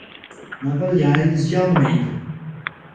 Magalhães de Almeida